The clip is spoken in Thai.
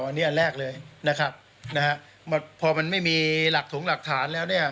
อันนี้อันแรกเลยนะครับนะฮะพอมันไม่มีหลักถงหลักฐานแล้วเนี่ย